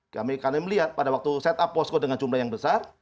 kami melihat pada waktu set up posko dengan jumlah yang besar